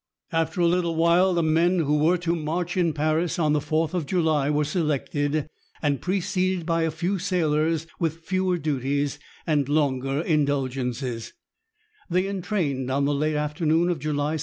After a little while the men who were to march in Paris on the Fourth of July were selected, and, preceded by a few sailors with fewer duties and longer indulgences, they entrained on the late afternoon of July 2.